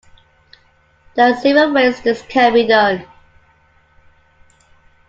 There are several ways this can be done.